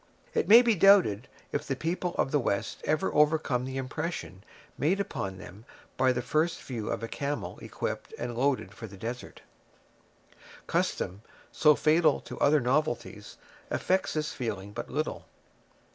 It may be doubted if the people of the West ever overcome the impression made upon them by the first view of a camel equipped and loaded for the desert. Custom, so fatal to other novelties, affects this feeling but little.